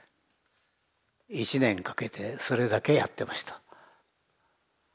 １年かけてそれだけやってました。